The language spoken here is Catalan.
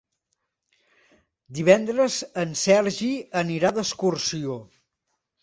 Divendres en Sergi anirà d'excursió.